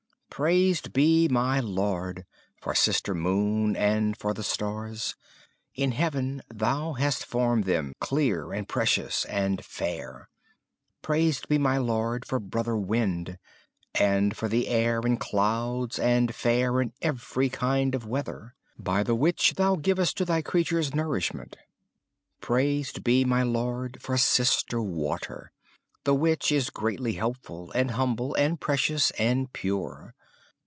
Praised be my Lord, for sister moon and for the stars, In heaven Thou hast formed them clear and precious and fair. Praised be my Lord for brother wind And for the air and clouds and fair and every kind of weather. By the which Thou givest to Thy creatures nourishment. Praised be my Lord for sister water, The which is greatly helpful and humble and precious and pure.